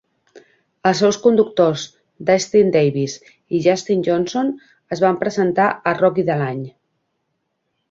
Els seus conductors Dusty Davis i Justin Johnson es van presentar a Rookie de l'Any.